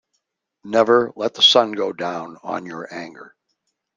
Never let the sun go down on your anger.